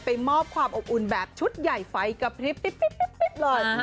มอบความอบอุ่นแบบชุดใหญ่ไฟกระพริบเลย